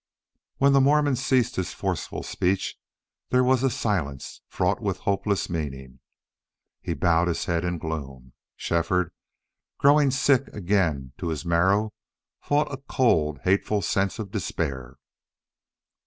When the Mormon ceased his forceful speech there was a silence fraught with hopeless meaning. He bowed his head in gloom. Shefford, growing sick again to his marrow, fought a cold, hateful sense of despair.